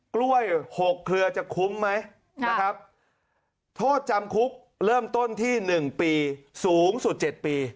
กล้วยหกเครือจะคุ้มไหมนะครับโทษจำคุกเริ่มต้นที่๑ปีสูงสุด๗ปี